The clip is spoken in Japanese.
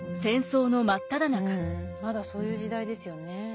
まだそういう時代ですよね。